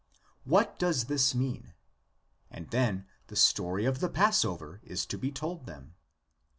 31 does this mean? and then the story of the Passover is to be told them.